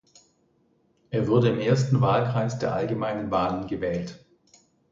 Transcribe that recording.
Er wurde im ersten Wahlkreis der allgemeinen Wahlen gewählt.